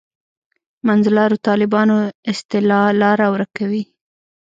منځلارو طالبانو اصطلاح لاره ورکوي.